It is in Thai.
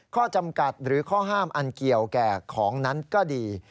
ข้อจำกัดหรือข้อห้ามอันเกี่ยวแก่ของนั้นก็ดี